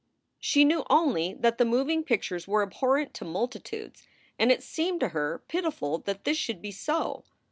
She knew only that the moving pictures were abhorrent to multitudes and it seemed to her pitiful that this should be so.